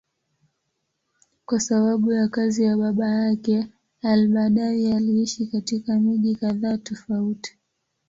Kwa sababu ya kazi ya baba yake, al-Badawi aliishi katika miji kadhaa tofauti.